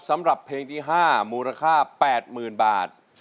สำหรับเพลงที่๕มูลค่า๘๐๐๐บาท